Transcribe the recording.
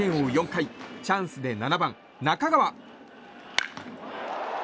４回チャンスで７番、中川。